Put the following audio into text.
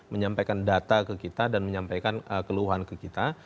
menyampaikan data ke kita dan menyampaikan keluhan ke kita